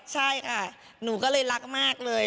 ใช่ค่ะหนูก็เลยรักมากเลย